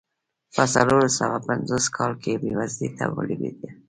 په څلور سوه پنځوس کال کې بېوزلۍ ته ولوېده.